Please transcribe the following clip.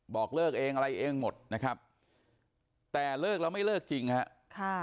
บอกเลิกเองอะไรเองหมดนะครับแต่เลิกแล้วไม่เลิกจริงฮะค่ะ